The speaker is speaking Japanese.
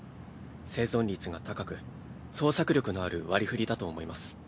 生存率が高く捜索力のある割り振りだと思います。